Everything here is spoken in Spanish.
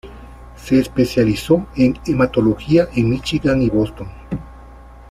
Se especializó en hematología en Míchigan y Boston.